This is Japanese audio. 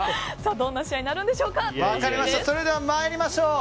どんな試合になるのでしょうか。